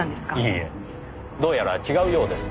いいえどうやら違うようです。